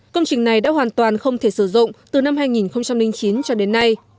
công trình này đã hoàn toàn không thể sử dụng từ năm hai nghìn chín cho đến nay